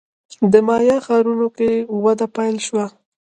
د مایا ښارونو کې وده پیل شوه.